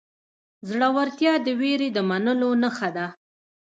زړورتیا د وېرې د منلو نښه ده.